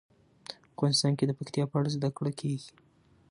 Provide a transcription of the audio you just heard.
افغانستان کې د پکتیا په اړه زده کړه کېږي.